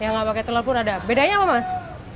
yang gak pake telur pun ada bedanya apa mas